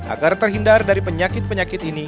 agar terhindar dari penyakit penyakit ini